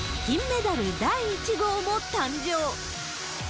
金メダル第１号も誕生。